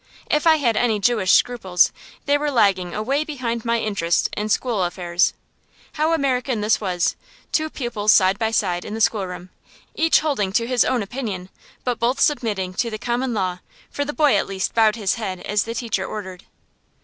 If I had any Jewish scruples, they were lagging away behind my interest in school affairs. How American this was: two pupils side by side in the schoolroom, each holding to his own opinion, but both submitting to the common law; for the boy at least bowed his head as the teacher ordered.